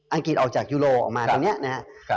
องกฤษออกจากยูโรออกมาตรงนี้นะครับ